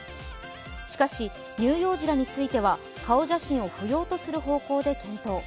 しかし、乳幼児らについては顔写真を不要とする方向で検討。